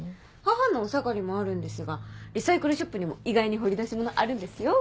母のお下がりもあるんですがリサイクルショップにも意外に掘り出し物あるんですよ。